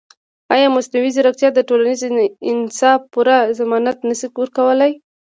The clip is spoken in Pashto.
ایا مصنوعي ځیرکتیا د ټولنیز انصاف پوره ضمانت نه شي ورکولی؟